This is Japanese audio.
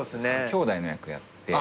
兄弟の役やって。